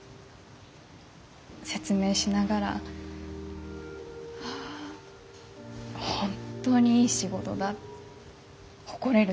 説明しながらああ本当にいい仕事だ誇れる